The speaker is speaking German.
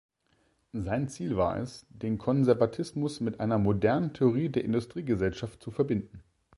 Sein Ziel war es, den Konservatismus mit einer „modernen“ Theorie der Industriegesellschaft zu verbinden.